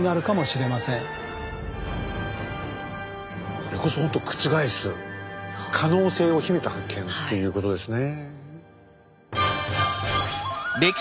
これこそほんと覆す可能性を秘めた発見ということですね。